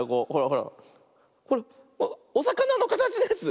ほらおさかなのかたちのやつ。